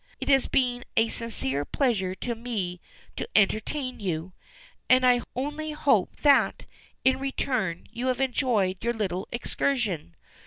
"It has been a sincere pleasure to me to entertain you, and I only hope that, in return, you have enjoyed your little excursion.